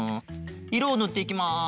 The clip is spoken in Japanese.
いろをぬっていきます。